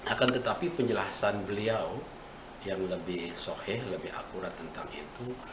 akan tetapi penjelasan beliau yang lebih sohih lebih akurat tentang itu